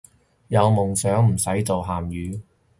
有夢想唔使做鹹魚